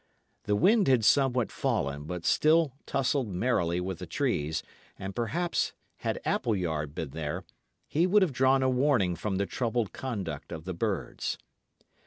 The wind had somewhat fallen, but still tussled merrily with the trees, and, perhaps, had Appleyard been there, he would have drawn a warning from the troubled conduct of the birds.